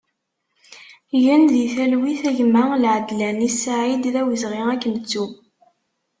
Gen di talwit a gma Laadlani Saïd, d awezɣi ad k-nettu!